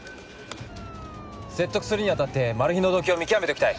説得するに当たってマルヒの動機を見極めておきたい。